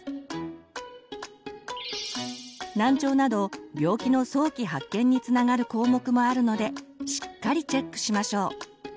難聴など病気の早期発見につながる項目もあるのでしっかりチェックしましょう。